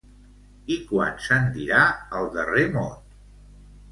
I quan se'n dirà el darrer mot?